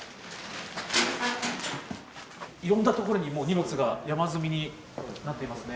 いろんなところにもう、荷物が山積みになっていますね。